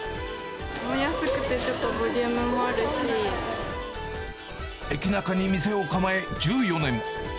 安くてちょっとボリュームもエキナカに店を構え１４年。